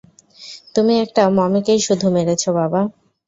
তুমি একটা মমিকেই শুধু মেরেছ, বাবা!